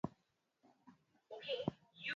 Wote wa Shirikisho la Soka la Ureno mwaka